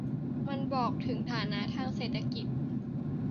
มันบอกถึงฐานะทางเศรษฐกิจ